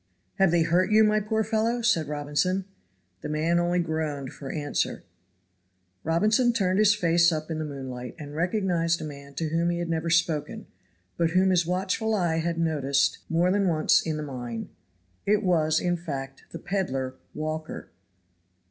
"Have they hurt you, my poor fellow?" said Robinson. The man only groaned for answer. Robinson turned his face up in the moonlight, and recognized a man to whom he had never spoken, but whom his watchful eye had noticed more than once in the mine it was, in fact, the peddler Walker.